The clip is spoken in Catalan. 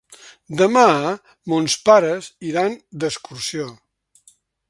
Demà mons pares iran d'excursió.